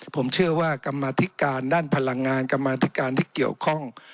ผมเชื่อว่ากรรมธิการด้านพลังงานกรรมาธิการที่เกี่ยวข้อง